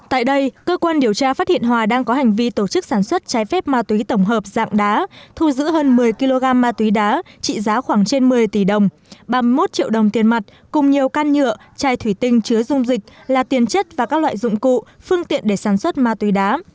tại đây cơ quan điều tra phát hiện hòa đang có hành vi tổ chức sản xuất trái phép ma túy tổng hợp dạng đá thu giữ hơn một mươi kg ma túy đá trị giá khoảng trên một mươi tỷ đồng ba mươi một triệu đồng tiền mặt cùng nhiều can nhựa chai thủy tinh chứa dung dịch là tiền chất và các loại dụng cụ phương tiện để sản xuất ma túy đá